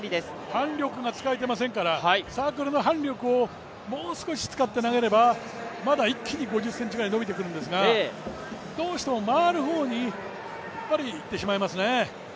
反力が使えていないですから、サークルの反力をもう少し使えれば、まだ一気に５０ｃｍぐらい伸びてくるんですがどうしても回る方にいってしまいますね。